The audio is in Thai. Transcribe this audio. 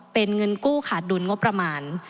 เป็นเงินกู้ขาดดุลงบประมาณ